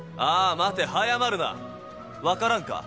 待て早まるな分からんか？